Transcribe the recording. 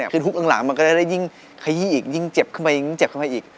คือฮุกข้างหลังมันก็ได้ยิ่งขยี้อีกยิ่งเจ็บขึ้นไปอีก